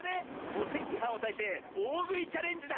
おせきはんをたいておおぐいチャレンジだ！